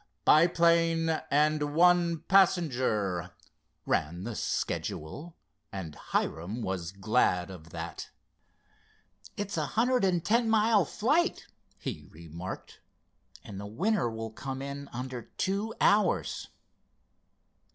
"Biplane and one passenger," ran the schedule and Hiram was glad of that. "It's a hundred and ten mile flight," he remarked, "and the winner will come in under two hours."